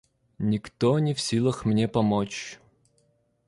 — Никто не в силах мне помочь.